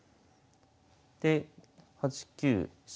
で８九飛車